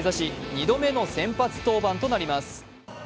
２度目の先発登板となります。